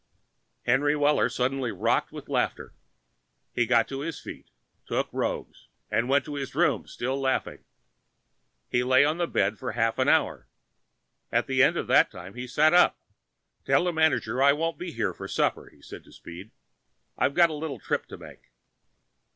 Henry Weller suddenly rocked with laughter. He got to his feet, took Roggs, and went to his room, still laughing. He lay on the bed for half an hour. At the end of that time he sat up. "Tell the manager I won't be here for supper," he said to Speed. "I've got a little trip to make."